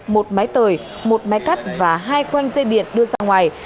một máy tời một máy cắt và hai quanh dây điện đưa ra ngoài